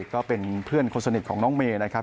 ก็เป็นเพื่อนคนสนิทของน้องเมย์นะครับ